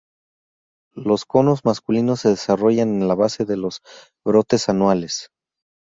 Los conos masculinos se desarrollan en la base de los brotes anuales.